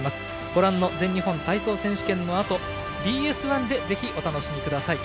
ご覧の全日本選手権のあとＢＳ１で、ぜひお楽しみください。